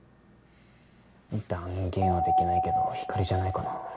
断言はできないけど光莉じゃないかな？